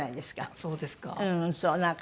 そうですか。